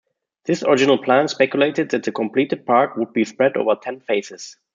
This original plan speculated that the completed park would be spread over ten phases.